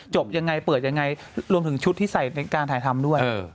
จบยังไงเปิดยังไงรวมถึงชุดที่ใส่ในการถ่ายทำด้วย